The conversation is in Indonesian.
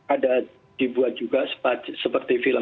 ada dibuat juga seperti film